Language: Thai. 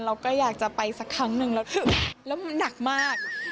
เราก็อยากจะไปสักครั้งหนึ่งแล้วมันหนักมาก